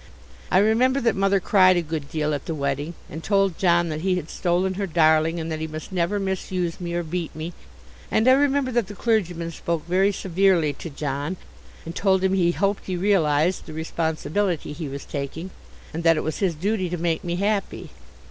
I remember that Mother cried a good deal at the wedding, and told John that he had stolen her darling and that he must never misuse me or beat me. And I remember that the clergyman spoke very severely to John, and told him he hoped he realized the responsibility he was taking and that it was his duty to make me happy.